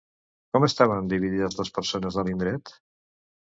Com estaven dividides les persones de l'indret?